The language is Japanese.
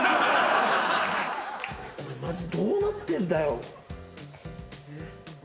これマジどうなってんだよ？